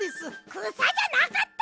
くさじゃなかった！